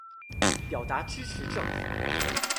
表達支持政府